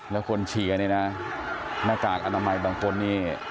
แล้วคนฉีกอันนี้นะหน้ากากอนามัยบางคนนี้